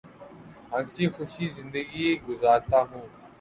ہنسی خوشی زندگی گزارتا ہوں